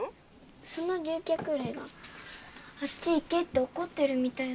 その竜脚類があっち行けって怒ってるみたいだったんです。